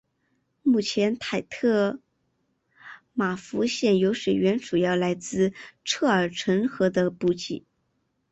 目前台特玛湖现有水源主要来自车尔臣河的补给。